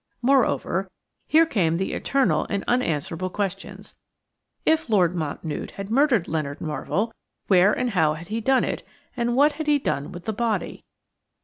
Moreover, here came the eternal and unanswerable questions: If Lord Mountnewte had murdered Leonard Marvell, where and how had he done it, and what had he done with the body?